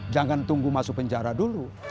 jangan tunggu masuk penjara dulu